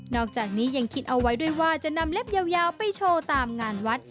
อกจากนี้ยังคิดเอาไว้ด้วยว่าจะนำเล็บยาวไปโชว์ตามงานวัด